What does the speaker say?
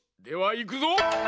ではいくぞ。